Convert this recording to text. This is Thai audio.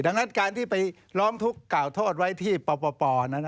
ดังนั้นการที่ไปล้อมทุกข์กล่าวโทษไว้ที่ป่อนั้นอ่ะ